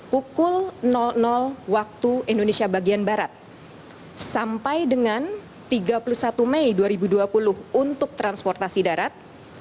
pukul waktu indonesia bagian barat sampai dengan tiga puluh satu mei dua ribu dua puluh untuk transportasi darat